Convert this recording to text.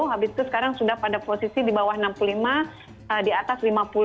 habis itu sekarang sudah pada posisi di bawah enam puluh lima di atas lima puluh